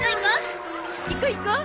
行こう行こう。